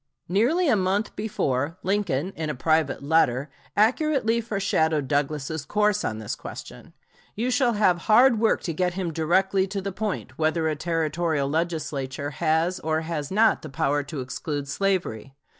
Nearly a month before, Lincoln in a private letter accurately foreshadowed Douglas's course on this question. "You shall have hard work to get him directly to the point whether a Territorial Legislature has or has not the power to exclude slavery.